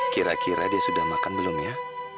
kira kira dia sudah makan belum ya